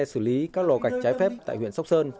xử lý các lò gạch trái phép tại huyện sóc sơn